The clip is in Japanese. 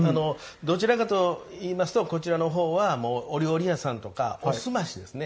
どちらかといいますとこちらのほうはお料理屋さんとかおすましですね。